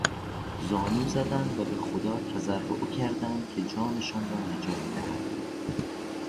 زانو زدند و به خدا تضرع کردند که جانشان را نجات دهد.